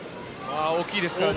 大きいですからね。